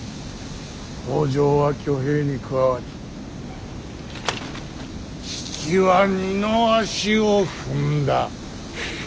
北条は挙兵に加わり比企は二の足を踏んだ。